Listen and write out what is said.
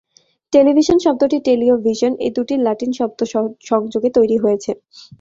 Television শব্দটি ‘tele’ ও ‘ভিশন’—এই দুটি লাতিন শব্দের সংযোগে তৈরি হয়েছে।